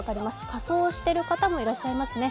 仮装している方もいらっしゃいますね。